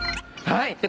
はい！